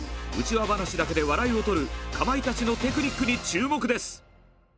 内輪話だけで笑いをとるかまいたちのテクニックに注目です。